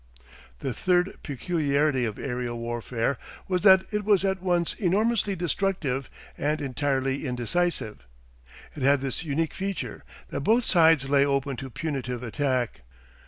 The third peculiarity of aerial warfare was that it was at once enormously destructive and entirely indecisive. It had this unique feature, that both sides lay open to punitive attack.